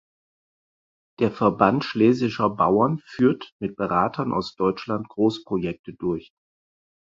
Der Verband Schlesischer Bauern führt mit Beratern aus Deutschland Großprojekte durch.